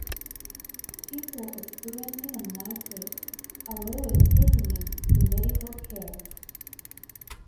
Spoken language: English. People experiencing a mind quake are always taken in for medical care.